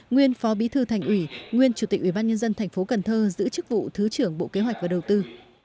nguyên phó bí thư thành ủy nguyên chủ tịch ủy ban nhân dân thành phố cần thơ giữ chức vụ thứ trưởng bộ kế hoạch và đầu tư